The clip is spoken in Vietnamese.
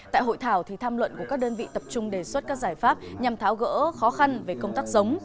tại hội thảo tham luận của các đơn vị tập trung đề xuất các giải pháp nhằm tháo gỡ khó khăn về công tác giống